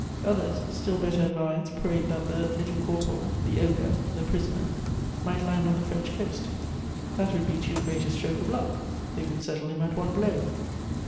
Others, still better advised, prayed that the "Little Corporal," the "Ogre," the "Prisoner," might land on the French coast; that would be too great a stroke of luck; they would settle him at one blow!